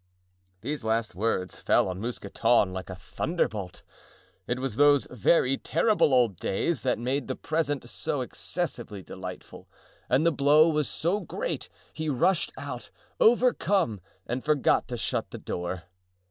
These last words fell on Mousqueton like a thunderbolt. It was those very terrible old days that made the present so excessively delightful, and the blow was so great he rushed out, overcome, and forgot to shut the door.